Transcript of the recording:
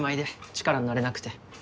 力になれなくて。